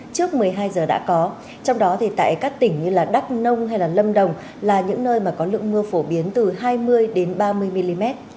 trước một mươi hai giờ đã có trong đó thì tại các tỉnh như đắk nông hay lâm đồng là những nơi mà có lượng mưa phổ biến từ hai mươi đến ba mươi mm